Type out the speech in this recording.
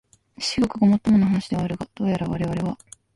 至極ごもっともな話ではあるが、どうやらわれわれは、